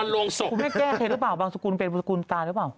คุณพี่ได้แก้เค้รึเปล่าบางสกุลเป็นบางสกุลต่างแล้วเเหละเปล่า